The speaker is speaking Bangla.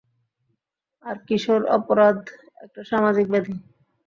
আর কিশোর অপরাধ একটা সামাজিক ব্যাধি।